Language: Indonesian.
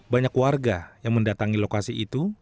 banyak warga yang mendatangi lokasi itu